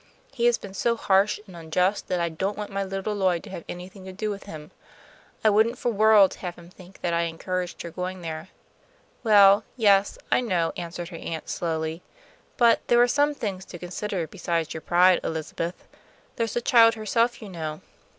He has been so harsh and unjust that I don't want my little Lloyd to have anything to do with him. I wouldn't for worlds have him think that I encouraged her going there." "Well, yes, I know," answered her aunt, slowly. "But there are some things to consider besides your pride, Elizabeth. There's the child herself, you know.